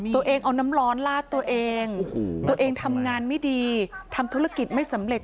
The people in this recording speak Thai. ตัวเองเอาน้ำร้อนลาดตัวเองตัวเองทำงานไม่ดีทำธุรกิจไม่สำเร็จ